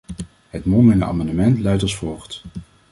Het mondelinge amendement luidt als volgt.